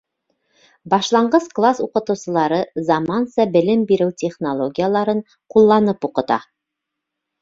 Башланғыс класс уҡытыусылары заманса белем биреү технологияларын ҡулланып уҡыта.